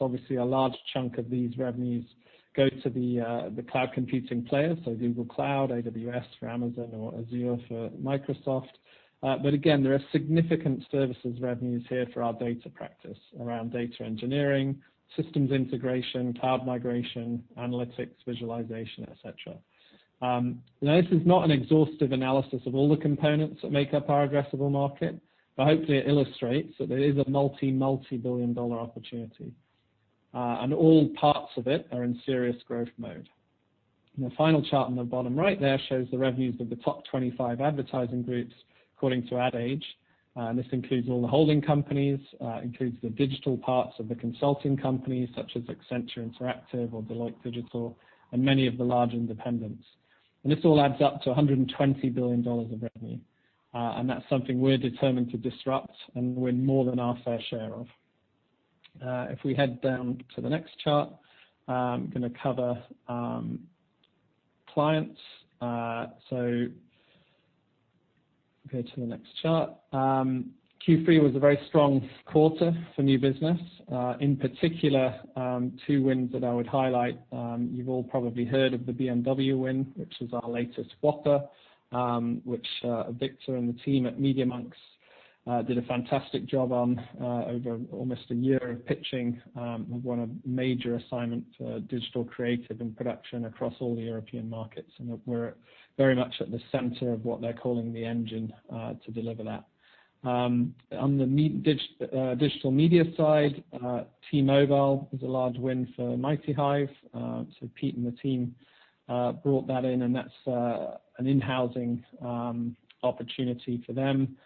Obviously, a large chunk of these revenues go to the cloud computing players, so Google Cloud, AWS for Amazon, or Azure for Microsoft. Again, there are significant services revenues here for our data practice around data engineering, systems integration, cloud migration, analytics, visualization, etc. This is not an exhaustive analysis of all the components that make up our addressable market, but hopefully it illustrates that there is a multi-billion GBP opportunity, and all parts of it are in serious growth mode. The final chart in the bottom right there shows the revenues of the top 25 advertising groups according to Ad Age. This includes all the holding companies. It includes the digital parts of the consulting companies such as Accenture Interactive or Deloitte Digital, and many of the large independents. This all adds up to GBP 120 billion of revenue. That's something we're determined to disrupt and win more than our fair share of. If we head down to the next chart, I'm going to cover clients. Go to the next chart. Q3 was a very strong quarter for new business. In particular, two wins that I would highlight. You've all probably heard of the BMW win, which was our latest Whopper, which Victor and the team at Media.Monks did a fantastic job on over almost a year of pitching. We've won a major assignment for digital creative and production across all the European markets, and we're very much at the center of what they're calling the engine, to deliver that. On the digital media side, T-Mobile was a large win for MightyHive. Pete and the team brought that in, and that's an in-housing opportunity for them.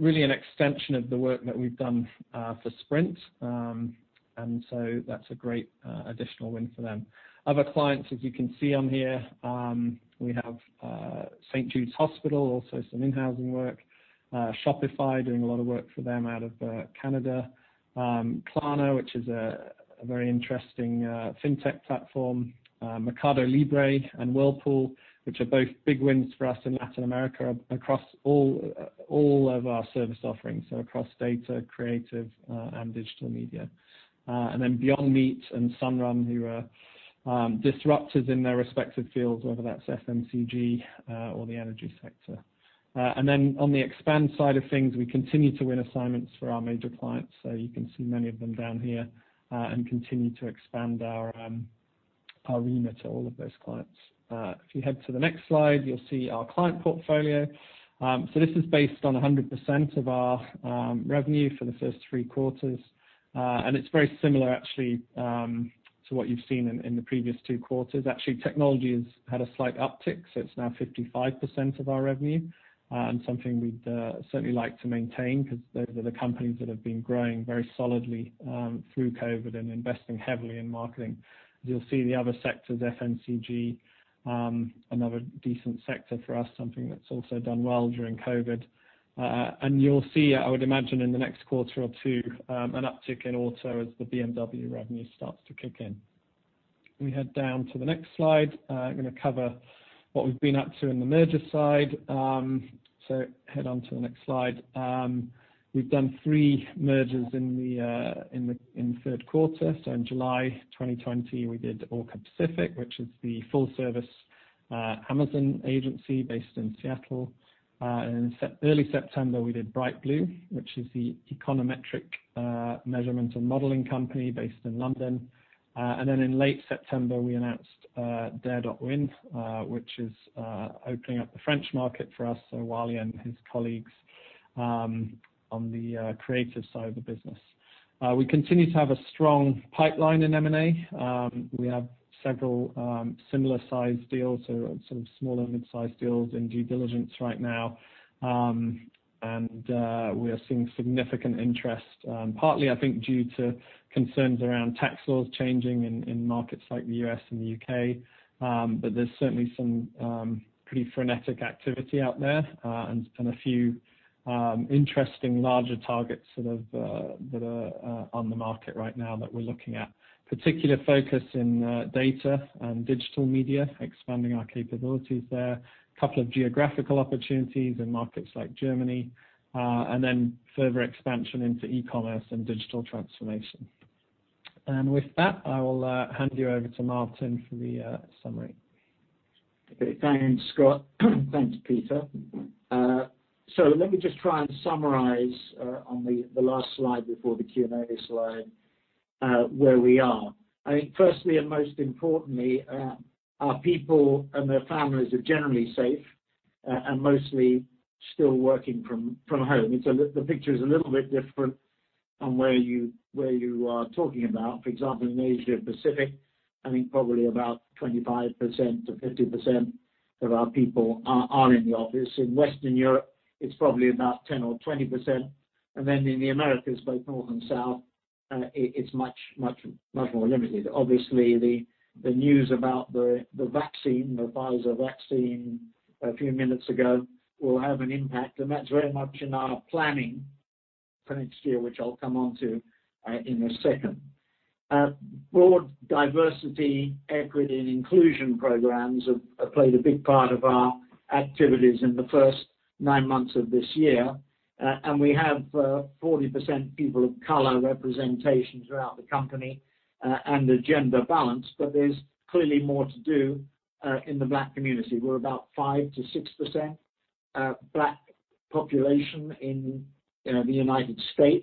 Really an extension of the work that we've done for Sprint. That's a great additional win for them. Other clients, as you can see on here, we have St. Jude's Hospital, also some in-housing work. Shopify, doing a lot of work for them out of Canada. Klarna, which is a very interesting fintech platform. Mercado Libre and Whirlpool, which are both big wins for us in Latin America across all of our service offerings, so across data, creative, and digital media. Beyond Meat and Sunrun, who are disruptors in their respective fields, whether that's FMCG or the energy sector. On the expand side of things, we continue to win assignments for our major clients, so you can see many of them down here, and continue to expand our arena to all of those clients. If you head to the next slide, you'll see our client portfolio. This is based on 100% of our revenue for the first three quarters, and it's very similar actually to what you've seen in the previous two quarters. Actually, technology has had a slight uptick, so it's now 55% of our revenue, and something we'd certainly like to maintain because those are the companies that have been growing very solidly through COVID and investing heavily in marketing. You'll see the other sectors, FMCG, another decent sector for us, something that's also done well during COVID. You'll see, I would imagine in the next quarter or two, an uptick in auto as the BMW revenue starts to kick in. If we head down to the next slide, I'm going to cover what we've been up to in the merger side. Head on to the next slide. We've done three mergers in the third quarter. In July 2020, we did Orca Pacific, which is the full service Amazon agency based in Seattle. In early September, we did BrightBlue, which is the econometric measurement and modeling company based in London. In late September, we announced Dare.Win which is opening up the French market for us, so Wally and his colleagues on the creative side of the business. We continue to have a strong pipeline in M&A. We have several similar size deals, so some small and mid-size deals in due diligence right now, and we are seeing significant interest, partly I think due to concerns around tax laws changing in markets like the U.S. and the U.K. There's certainly some pretty frenetic activity out there, and a few interesting larger targets that are on the market right now that we're looking at. Particular focus in data and digital media, expanding our capabilities there. A couple of geographical opportunities in markets like Germany, and then further expansion into e-commerce and digital transformation. With that, I will hand you over to Martin for the summary. Okay. Thanks, Scott. Thanks, Peter. Let me just try and summarize on the last slide before the Q&A slide, where we are. I think firstly and most importantly, our people and their families are generally safe and mostly still working from home. The picture is a little bit different on where you are talking about. For example, in Asia Pacific, I think probably about 25%-50% of our people are in the office. In Western Europe, it's probably about 10% or 20%. In the Americas, both north and south, it's much more limited. Obviously, the news about the vaccine, the Pfizer vaccine a few minutes ago, will have an impact, and that's very much in our planning for next year, which I'll come on to in a second. Broad diversity, equity, and inclusion programs have played a big part of our activities in the first nine months of this year. We have 40% people of color representation throughout the company, and a gender balance. There's clearly more to do in the Black community. We're about 5%-6% Black population in the U.S.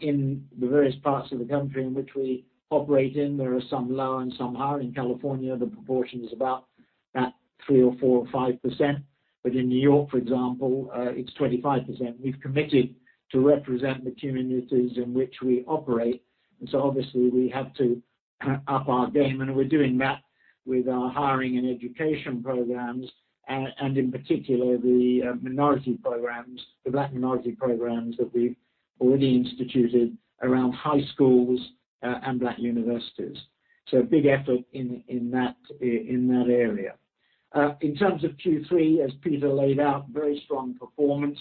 In the various parts of the country in which we operate in, there are some lower and some higher. In California, the proportion is about at 3% or 4% or 5%, but in New York., for example, it's 25%. We've committed to represent the communities in which we operate, obviously we have to up our game, and we're doing that with our hiring and education programs, in particular, the minority programs, the Black minority programs that we've already instituted around high schools and Black universities. A big effort in that area. In terms of Q3, as Peter laid out, very strong performance,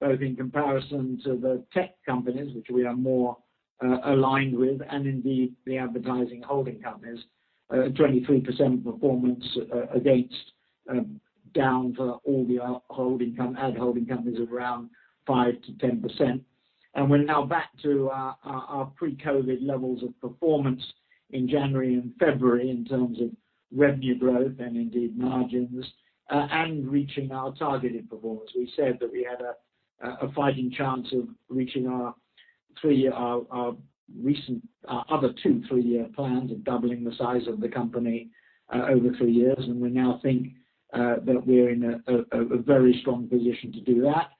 both in comparison to the tech companies which we are more aligned with, and indeed the advertising holding companies. 23% performance against, down for all the ad holding companies of around 5%-10%. We're now back to our pre-COVID levels of performance in January and February in terms of revenue growth and indeed margins, and reaching our targeted performance. We said that we had a fighting chance of reaching our other two, three-year plans of doubling the size of the company over three years, and we now think that we're in a very strong position to do that.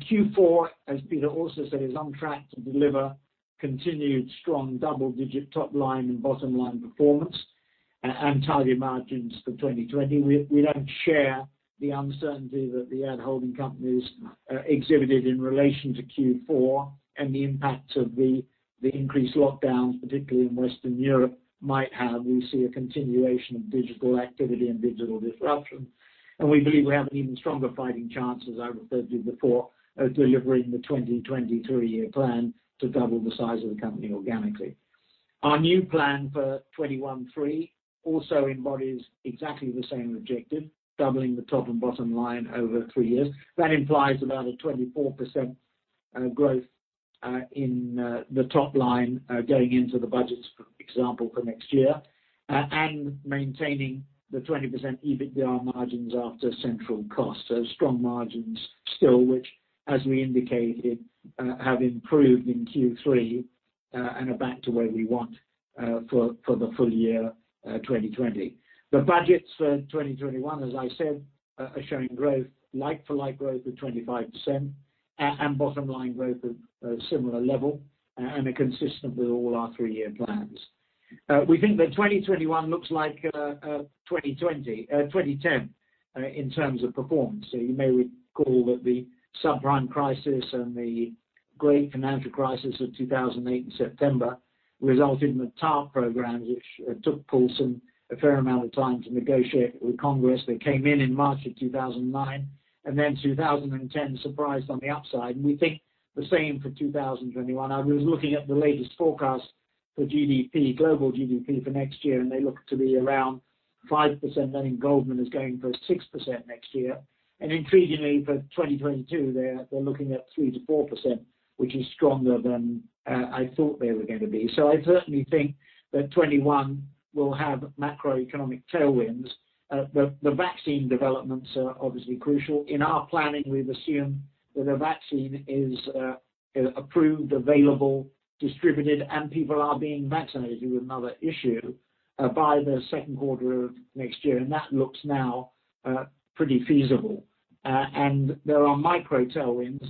Q4, as Peter also said, is on track to deliver continued strong double-digit top line and bottom-line performance, and target margins for 2020. We don't share the uncertainty that the ad holding companies exhibited in relation to Q4 and the impact of the increased lockdowns, particularly in Western Europe might have. We see a continuation of digital activity and digital disruption. We believe we have an even stronger fighting chance, as I referred to before, of delivering the 2020 three-year plan to double the size of the company organically. Our new plan for 2021 three-year plan also embodies exactly the same objective, doubling the top and bottom line over three years. That implies about a 24% growth in the top line going into the budgets, for example, for next year. Maintaining the 20% EBITDA margins after central costs. Strong margins still, which as we indicated, have improved in Q3. Are back to where we want for the full year 2020. The budgets for 2021, as I said, are showing growth, like-for-like growth of 25%, and bottom-line growth of a similar level, and are consistent with all our three-year plans. You may recall that the subprime crisis and the great financial crisis of 2008 in September resulted in the TARP programs which took Paulson a fair amount of time to negotiate with Congress. They came in in March of 2009, then 2010 surprised on the upside, and we think the same for 2021. I was looking at the latest forecast for GDP, global GDP for next year, and they look to be around 5%. I think Goldman is going for 6% next year. Intriguingly for 2022, they're looking at 3%-4%, which is stronger than I thought they were going to be. I certainly think that 2021 will have macroeconomic tailwinds. The vaccine developments are obviously crucial. In our planning, we've assumed that a vaccine is approved, available, distributed, and people are being vaccinated without an issue, by the second quarter of next year. That looks now pretty feasible. There are micro tailwinds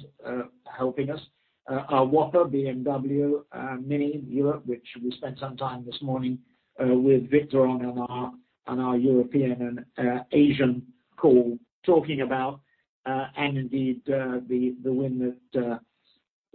helping us. Our Whopper, BMW, MINI in Europe, which we spent some time this morning with Victor on our European and Asian call talking about. The wind that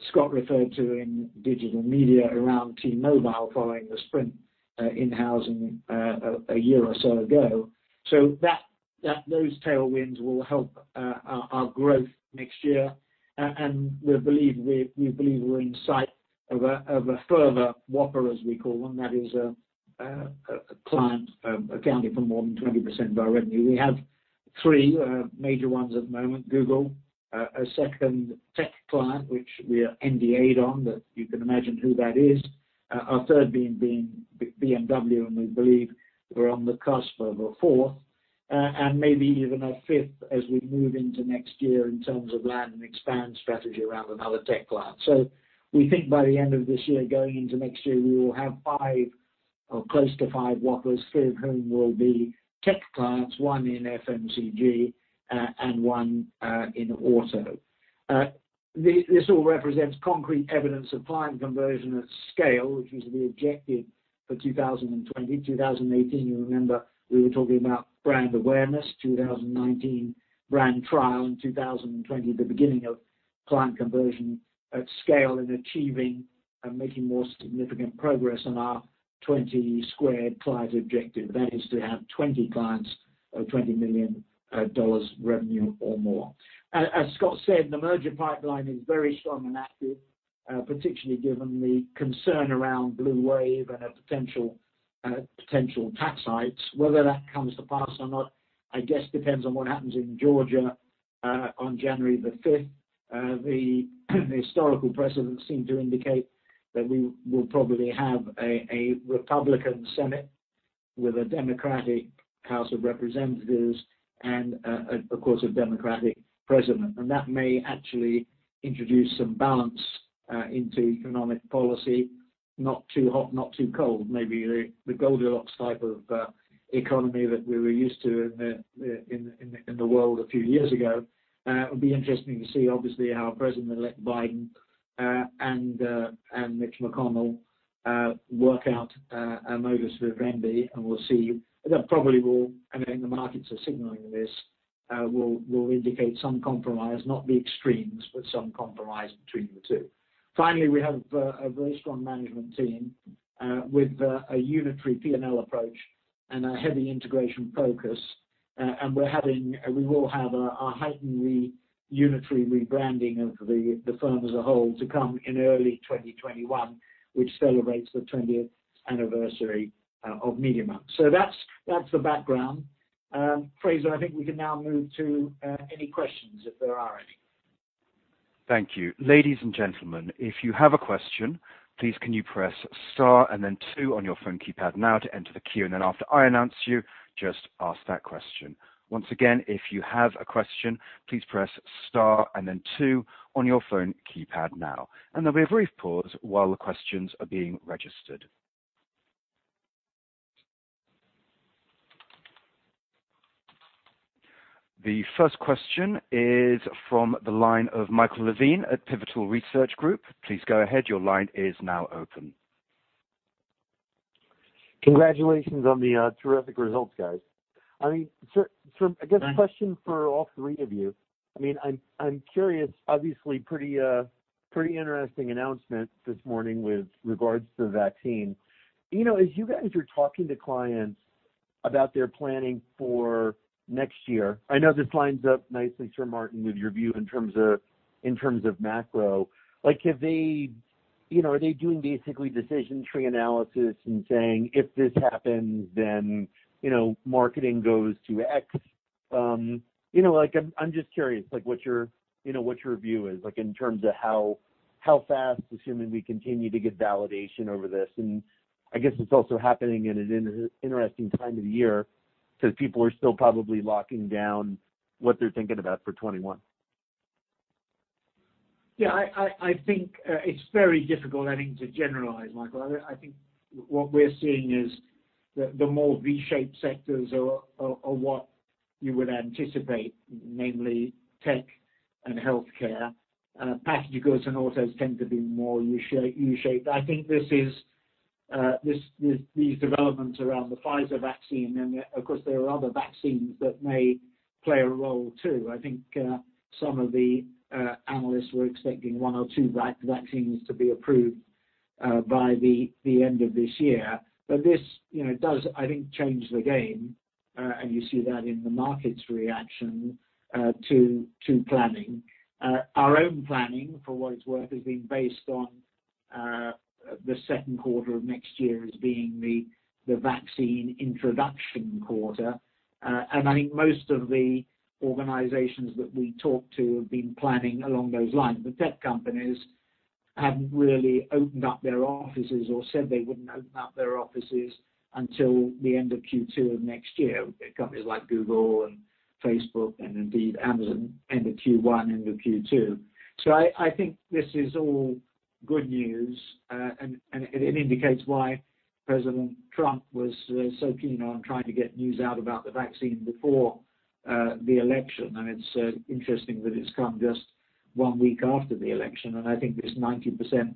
Scott referred to in digital media around T-Mobile following the Sprint in-housing a year or so ago. Those tailwinds will help our growth next year, and we believe we're in sight of a further Whopper, as we call them, that is a client accounting for more than 20% of our revenue. We have three major ones at the moment, Google, a second tech client, which we are NDA'd on, but you can imagine who that is. Our third being BMW, and we believe we're on the cusp of a fourth, and maybe even a fifth as we move into next year in terms of land and expand strategy around another tech client. We think by the end of this year, going into next year, we will have five or close to five Whoppers, three of whom will be tech clients, one in FMCG, and one in auto. This all represents concrete evidence of client conversion at scale, which was the objective for 2020. 2018, you remember, we were talking about brand awareness, 2019 brand trial, and 2020, the beginning of client conversion at scale and achieving and making more significant progress on our 20 squared clients objective. That is to have 20 clients of GBP 20 million revenue or more. As Scott said, the merger pipeline is very strong and active, particularly given the concern around blue wave and a potential tax hikes, whether that comes to pass or not, I guess depends on what happens in Georgia on January the 5th. The historical precedent seemed to indicate that we will probably have a Republican Senate with a Democratic House of Representatives and, of course, a Democratic President. That may actually introduce some balance into economic policy. Not too hot, not too cold, maybe the Goldilocks type of economy that we were used to in the world a few years ago. It would be interesting to see, obviously, how President-elect Biden and Mitch McConnell work out a modus vivendi. We'll see. That probably will, I think the markets are signaling this, will indicate some compromise, not the extremes, but some compromise between the two. Finally, we have a very strong management team, with a unitary P&L approach and a heavy integration focus. We will have a heightened unitary rebranding of the firm as a whole to come in early 2021, which celebrates the 20th anniversary of MediaMonks. That's the background. Fraser, I think we can now move to any questions, if there are any. Thank you. Ladies and gentlemen, if you have a question, please can you press Star and then two on your phone keypad now to enter the queue, and then after I announce you, just ask that question. Once again, if you have a question, please press Star and then two on your phone keypad now. There'll be a brief pause while the questions are being registered. The first question is from the line of Michael Levine at Pivotal Research Group. Please go ahead. Your line is now open. Congratulations on the terrific results, guys. I guess a question for all three of you. I'm curious, obviously pretty interesting announcement this morning with regards to the vaccine. As you guys are talking to clients about their planning for next year, I know this lines up nicely, Sir Martin, with your view in terms of macro. Are they doing basically decision tree analysis and saying, "If this happens, then marketing goes to X?" I'm just curious, what's your view is in terms of how fast, assuming we continue to get validation over this. I guess it's also happening at an interesting time of the year, since people are still probably locking down what they're thinking about for 2021. Yeah, I think it's very difficult to generalize, Michael. I think what we're seeing is the more V-shaped sectors are what you would anticipate, namely tech and healthcare. Packaged goods and autos tend to be more U-shaped. I think these developments around the Pfizer vaccine, and of course, there are other vaccines that may play a role too. I think some of the analysts were expecting one or two vaccines to be approved by the end of this year. This does, I think, change the game, and you see that in the market's reaction to planning. Our own planning, for what it's worth, has been based on the second quarter of next year as being the vaccine introduction quarter. I think most of the organizations that we talk to have been planning along those lines. The tech companies haven't really opened up their offices or said they wouldn't open up their offices until the end of Q2 of next year. Companies like Google and Facebook and indeed Amazon, end of Q1, end of Q2. I think this is all good news, and it indicates why President Trump was so keen on trying to get news out about the vaccine before the election. It's interesting that it's come just one week after the election. I think this 90%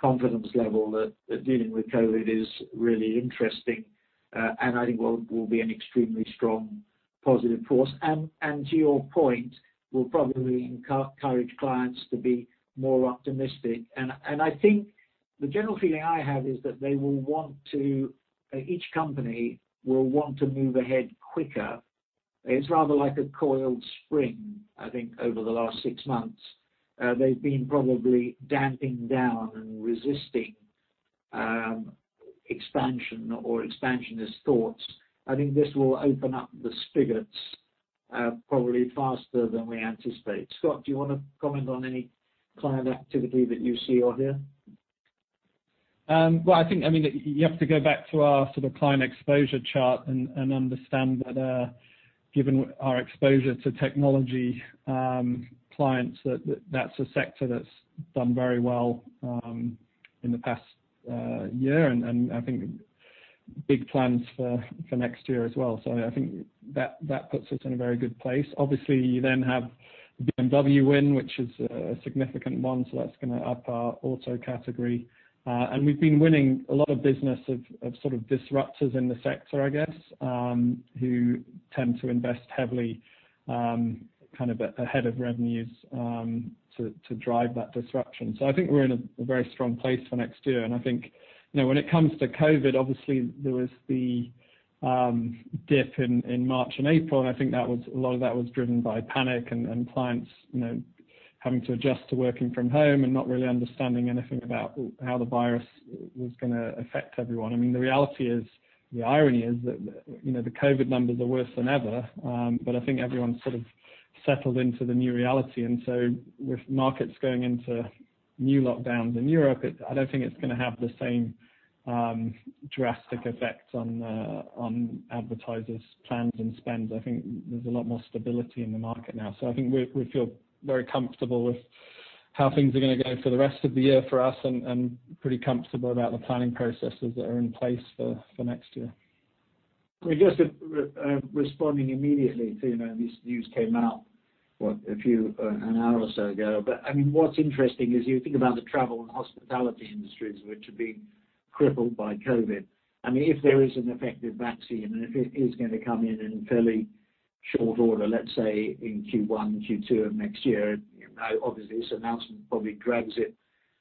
confidence level that dealing with COVID is really interesting, and I think will be an extremely strong positive force. To your point, will probably encourage clients to be more optimistic. I think the general feeling I have is that each company will want to move ahead quicker. It's rather like a coiled spring, I think, over the last six months. They've been probably damping down and resisting expansion or expansionist thoughts. I think this will open up the spigots probably faster than we anticipate. Scott, do you want to comment on any client activity that you see or hear? I think you have to go back to our sort of client exposure chart and understand that given our exposure to technology clients, that that's a sector that's done very well in the past year, and I think big plans for next year as well. I think that puts us in a very good place. Obviously, you then have the BMW win, which is a significant one, so that's going to up our auto category. We've been winning a lot of business of sort of disruptors in the sector, I guess, who tend to invest heavily ahead of revenues to drive that disruption. I think we're in a very strong place for next year, and I think when it comes to COVID, obviously there was the dip in March and April, and I think a lot of that was driven by panic and clients having to adjust to working from home and not really understanding anything about how the virus was going to affect everyone. The irony is that the COVID numbers are worse than ever. I think everyone's sort of settled into the new reality. With markets going into new lockdowns in Europe, I don't think it's going to have the same drastic effects on advertisers' plans and spends. I think there's a lot more stability in the market now. I think we feel very comfortable with how things are going to go for the rest of the year for us, and pretty comfortable about the planning processes that are in place for next year. This news came out, what, an hour or so ago. What's interesting is you think about the travel and hospitality industries, which have been crippled by COVID. If there is an effective vaccine, and if it is going to come in in fairly short order, let's say in Q1, Q2 of next year, obviously this announcement probably drags it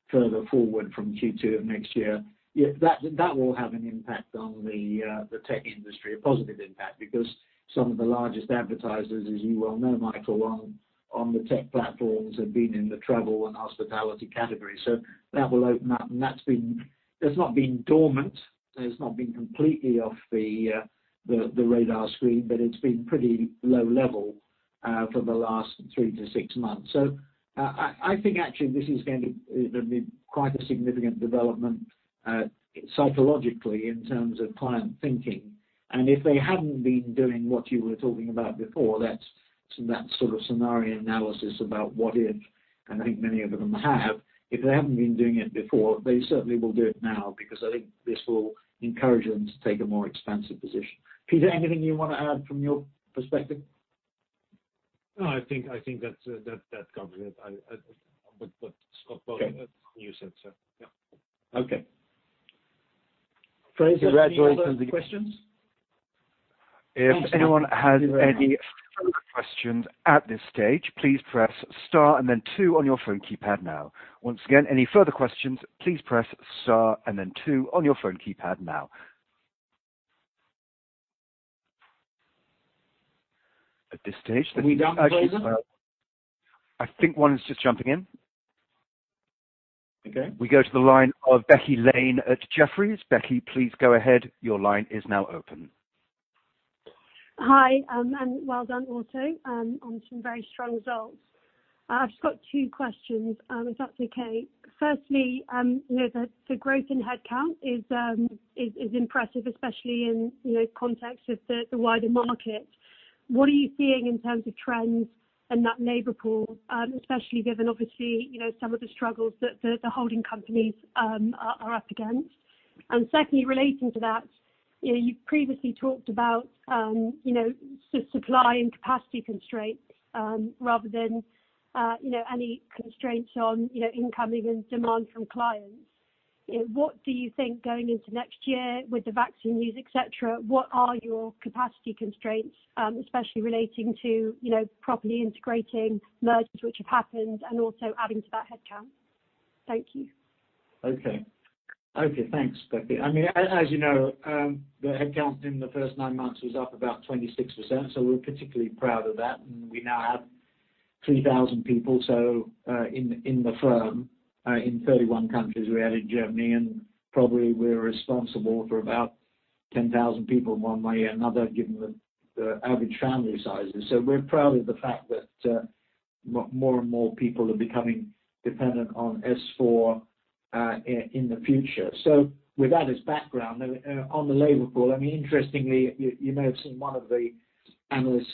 further forward from Q2 of next year. That will have an impact on the tech industry, a positive impact, because some of the largest advertisers, as you well know, Michael, on the tech platforms have been in the travel and hospitality category. That will open up. It's not been dormant, it's not been completely off the radar screen, but it's been pretty low level for the last three to six months. I think actually this is going to be quite a significant development psychologically in terms of client thinking. If they hadn't been doing what you were talking about before, that sort of scenario analysis about what if, and I think many of them have. If they haven't been doing it before, they certainly will do it now, because I think this will encourage them to take a more expansive position. Peter, anything you want to add from your perspective? No, I think that covers it. What Scott you said, sir. Yeah. Okay. Great. Congratulations. Are there any other questions? If anyone has any further questions at this stage, please press star and then two on your phone keypad now. Once again, any further questions, please press star and then two on your phone keypad now. At this stage- Are we done, Fraser? I think one is just jumping in. Okay. We go to the line of Becky Lane at Jefferies. Becky, please go ahead. Your line is now open. Hi. Well done also on some very strong results. I've just got two questions, if that's okay. Firstly, the growth in headcount is impressive, especially in context of the wider market. What are you seeing in terms of trends in that labor pool? Especially given, obviously, some of the struggles that the holding companies are up against. Secondly, relating to that, you previously talked about supply and capacity constraints rather than any constraints on incoming and demand from clients. What do you think going into next year with the vaccine news, et cetera, what are your capacity constraints, especially relating to properly integrating mergers which have happened and also adding to that headcount? Thank you. Okay. Thanks, Becky. As you know, the headcount in the first nine months was up about 26%, we're particularly proud of that, and we now have 3,000 people in the firm, in 31 countries. We added Germany, probably we're responsible for about 10,000 people one way or another, given the average family sizes. We're proud of the fact that more and more people are becoming dependent on S4 in the future. With that as background, on the labor pool, interestingly, you may have seen one of the analyst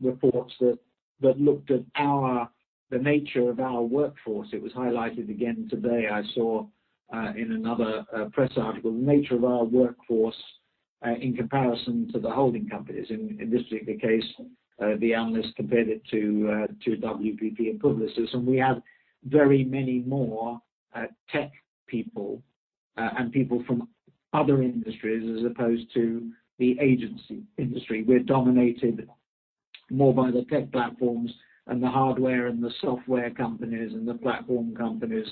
reports that looked at the nature of our workforce. It was highlighted again today. I saw in another press article, the nature of our workforce in comparison to the holding companies. In this particular case, the analyst compared it to WPP and Publicis. We have very many more tech people and people from other industries as opposed to the agency industry. We're dominated more by the tech platforms and the hardware and the software companies and the platform companies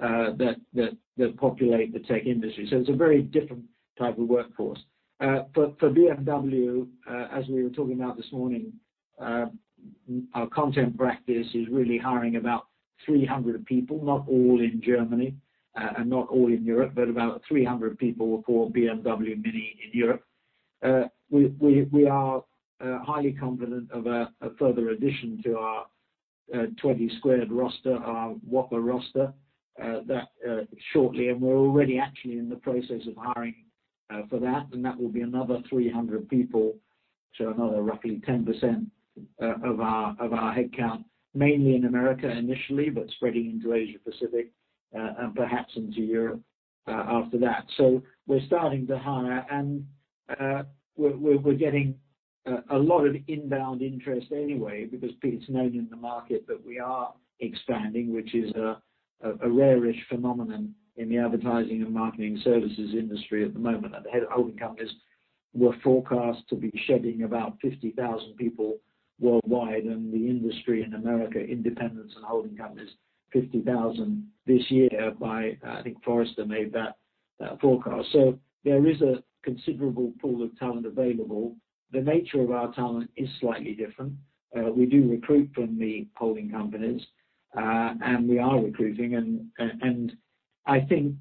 that populate the tech industry. It's a very different type of workforce. For BMW, as we were talking about this morning, our content practice is really hiring about 300 people, not all in Germany and not all in Europe, but about 300 people for BMW MINI in Europe. We are highly confident of a further addition to our 20 squared roster, our Whopper roster shortly. We're already actually in the process of hiring for that, and that will be another 300 people. Another roughly 10% of our headcount, mainly in America initially, but spreading into Asia Pacific, and perhaps into Europe after that. We're starting to hire and we're getting a lot of inbound interest anyway because it's known in the market that we are expanding, which is a rare-ish phenomenon in the advertising and marketing services industry at the moment. The ad holding companies were forecast to be shedding about 50,000 people worldwide in the industry in America, independents and holding companies, 50,000 this year. I think Forrester made that forecast. There is a considerable pool of talent available. The nature of our talent is slightly different. We do recruit from the holding companies, and we are recruiting, and I think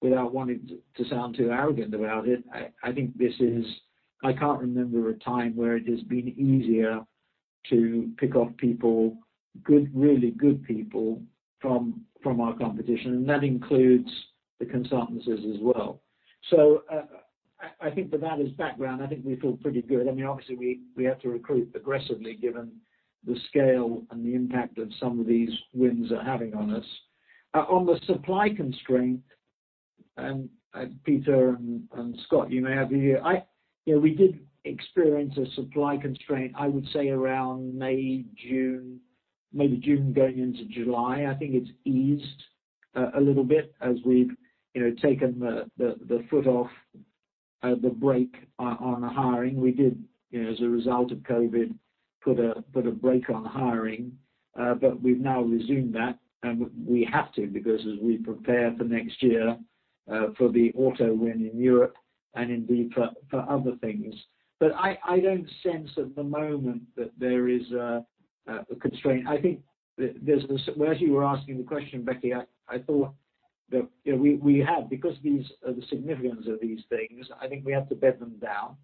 without wanting to sound too arrogant about it, I can't remember a time where it has been easier to pick off people, really good people, from our competition, and that includes the consultancies as well. I think with that as background, I think we feel pretty good. Obviously, we have to recruit aggressively given the scale and the impact that some of these wins are having on us. On the supply constraint, Peter and Scott, you may have a view. We did experience a supply constraint, I would say around May, June, maybe June going into July. I think it's eased a little bit as we've taken the foot off the brake on the hiring. We did, as a result of COVID, put a brake on hiring. We've now resumed that, and we have to, because as we prepare for next year for the auto win in Europe and indeed for other things. I don't sense at the moment that there is a constraint. As you were asking the question, Becky, I thought that we have, because the significance of these things, I think we have to bed them down.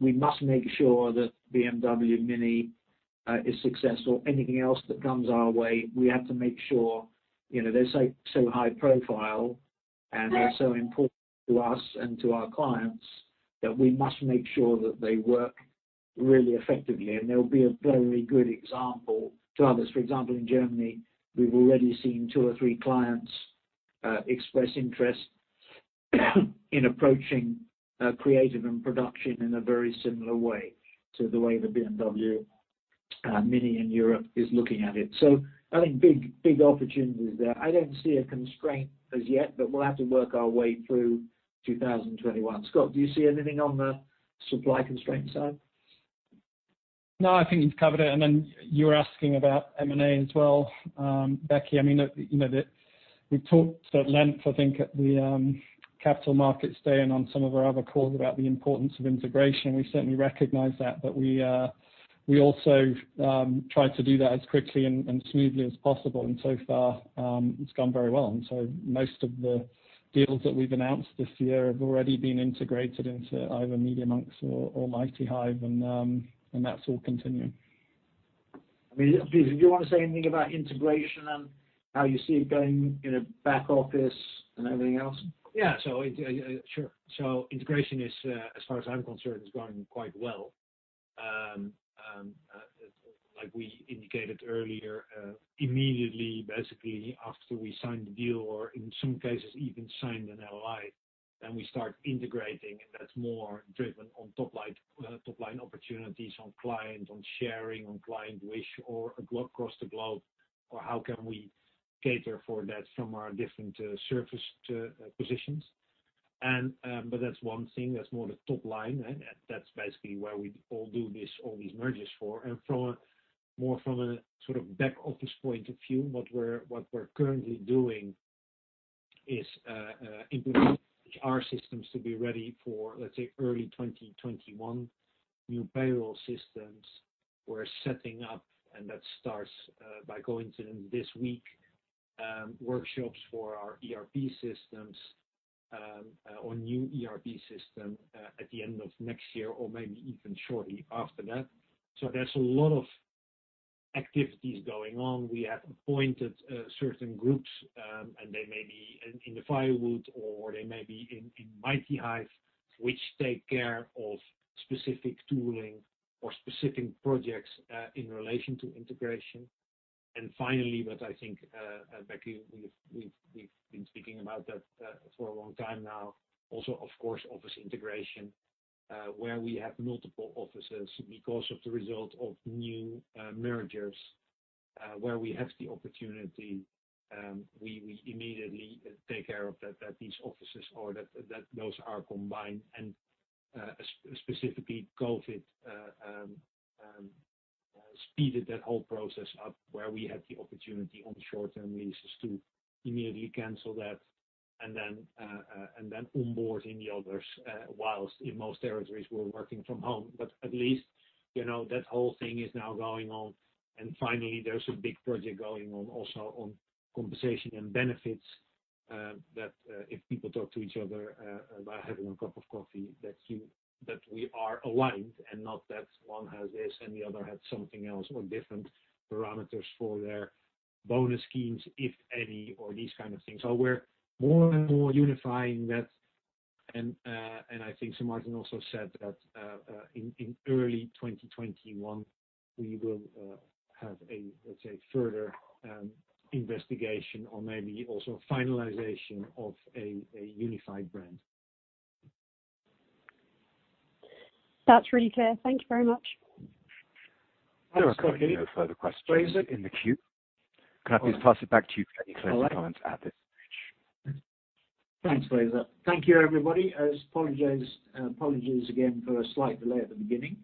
We must make sure that BMW MINI is successful. Anything else that comes our way, they're so high profile and they're so important to us and to our clients, that we must make sure that they work really effectively, and they'll be a very good example to others. For example, in Germany, we've already seen two or three clients express interest in approaching creative and production in a very similar way to the way that BMW MINI in Europe is looking at it. I think big opportunities there. I don't see a constraint as yet, but we'll have to work our way through 2021. Scott, do you see anything on the supply constraint side? I think you've covered it. You were asking about M&A as well, Becky. We talked at length, I think, at the Capital Markets Day and on some of our other calls about the importance of integration. We certainly recognize that, we also try to do that as quickly and smoothly as possible. So far, it's gone very well. Most of the deals that we've announced this year have already been integrated into either MediaMonks or MightyHive, and that's all continuing. Peter, do you want to say anything about integration and how you see it going in a back office and everything else? Yeah. Sure. Integration, as far as I'm concerned, is going quite well. Like we indicated earlier, immediately, basically, after we sign the deal, or in some cases even signed an LOI, then we start integrating, and that's more driven on top-line opportunities on client, on sharing, on client wish, or across the globe, or how can we cater for that from our different surface positions. That's one thing. That's more the top line, and that's basically why we all do all these merges for. More from a back office point of view, what we're currently doing is implementing HR systems to be ready for, let's say, early 2021. New payroll systems we're setting up, and that starts by going to them this week. Workshops for our ERP systems, or new ERP system at the end of next year or maybe even shortly after that. There's a lot of activities going on. We have appointed certain groups, they may be in the Firewood or they may be in MightyHive, which take care of specific tooling or specific projects in relation to integration. Finally, what I think, Becky, we've been speaking about that for a long time now, also, of course, office integration, where we have multiple offices because of the result of new mergers. Where we have the opportunity, we immediately take care of that these offices are combined. Specifically, COVID speeded that whole process up where we had the opportunity on short-term leases to immediately cancel that, then onboard in the others whilst in most territories, we're working from home. At least, that whole thing is now going on. Finally, there's a big project going on also on compensation and benefits, that if people talk to each other about having a cup of coffee, that we are aligned and not that one has this and the other has something else or different parameters for their bonus schemes, if any, or these kind of things. We're more and more unifying that, and I think Sir Martin also said that in early 2021, we will have a, let's say, further investigation or maybe also finalization of a unified brand. That's really clear. Thank you very much. Thanks, Becky. There are currently no further questions in the queue. Fraser? Can I please pass it back to you for any closing comments at this stage? Thanks, Fraser. Thank you, everybody. Apologies again for a slight delay at the beginning.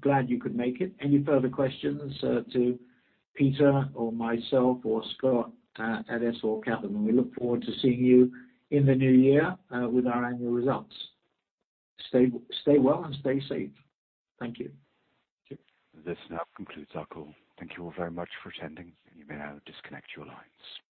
Glad you could make it. Any further questions to Peter or myself or Scott at S4 Capital. We look forward to seeing you in the new year with our annual results. Stay well and stay safe. Thank you. This now concludes our call. Thank you all very much for attending. You may now disconnect your lines.